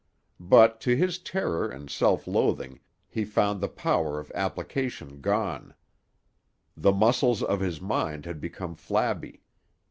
But, to his terror and self loathing, he found the power of application gone. The muscles of his mind had become flabby.